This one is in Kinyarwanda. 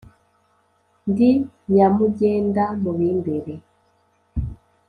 Ndi nyamugenda mu b’imbere